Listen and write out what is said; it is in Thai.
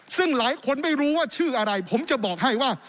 ซึ่งหลายคนไม่รู้ว่าชื่ออะไรผมจะบอกให้ว่า